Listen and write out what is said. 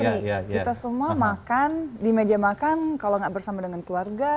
kita semua makan di meja makan kalau gak bersama dengan keluarga